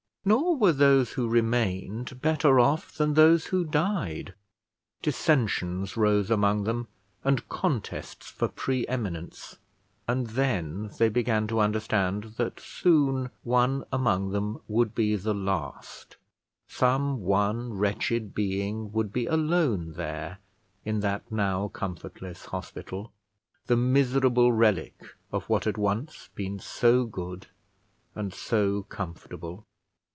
Nor were those who remained better off than those who died. Dissensions rose among them, and contests for pre eminence; and then they began to understand that soon one among them would be the last, some one wretched being would be alone there in that now comfortless hospital, the miserable relic of what had once been so good and so comfortable.